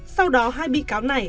sau đó hai bị cáo này